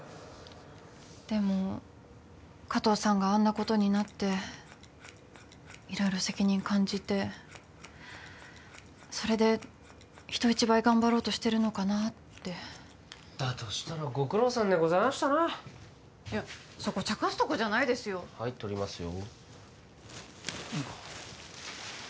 でも加藤さんがあんなことになって色々責任感じてそれで人一倍頑張ろうとしてるのかなってだとしたらご苦労さんでございましたないやそこちゃかすとこじゃないですよはい取りますよ